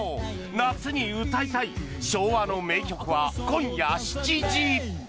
「夏に歌いたい昭和の名曲」は今夜７時！